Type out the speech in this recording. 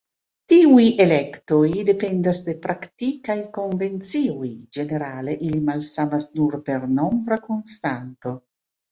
Tiuj elektoj dependas de praktikaj konvencioj, ĝenerale ili malsamas nur per nombra konstanto.